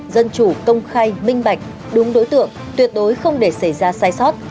dân chủ công khai minh bạch đúng đối tượng tuyệt đối không để xảy ra sai sót